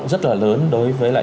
rất là lớn đối với lại